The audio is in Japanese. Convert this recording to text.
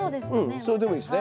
それでもいいですね。